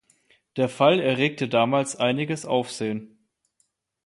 Der Fall erregte damals einiges Aufsehen.